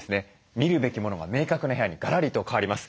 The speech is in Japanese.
見るべきものが明確な部屋にガラリと変わります。